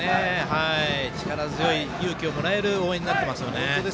力強い勇気をもらえる応援になっていますね。